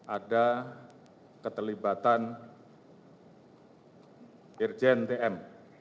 ada keterlibatan irjen tm